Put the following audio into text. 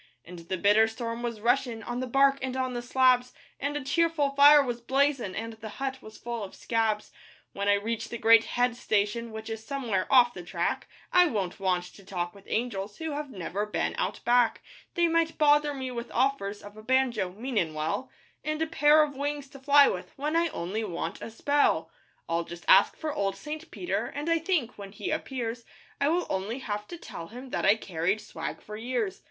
And the bitter storm was rushin' On the bark and on the slabs, And a cheerful fire was blazin', And the hut was full of 'scabs.' When I reach the great head station Which is somewhere 'off the track' I won't want to talk with angels Who have never been out back; They might bother me with offers Of a banjo meanin' well And a pair of wings to fly with, When I only want a spell. I'll just ask for old St. Peter, And I think, when he appears, I will only have to tell him That I carried swag for years.